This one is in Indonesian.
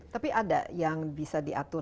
tapi ada yang bisa diatur